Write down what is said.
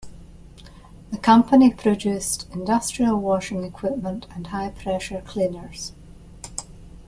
The company produced industrial washing equipment and high pressure cleaners.